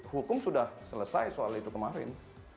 hukum sudah selesai soal itu kemarin